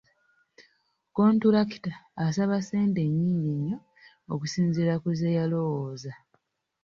Kontulakita asaba ssente nyingi nnyo okusinzira ku ze yalowoza.